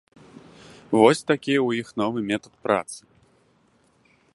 Вось такі ў іх новы метад працы.